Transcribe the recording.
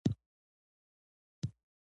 د پکتیا باغونه مڼې لري.